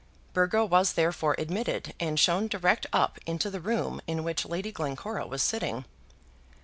Burgo was therefore admitted and shown direct up into the room in which Lady Glencora was sitting.